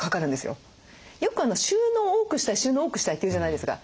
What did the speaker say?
よく収納を多くしたい収納を多くしたいって言うじゃないですか。